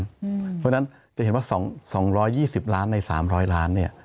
เพราะฉะนั้นจะเห็นว่า๒๒๐ล้านใน๓๐๐ล้านเนี่ย